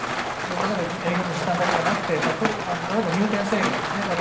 例えば営業の時短だけじゃなくて例えば入店制限ですね。